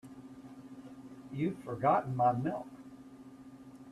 You've forgotten my milk.